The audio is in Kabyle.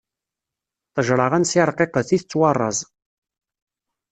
Ṭṭejṛa ansi ṛqiqet, i tettwaṛṛaẓ.